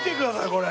これ！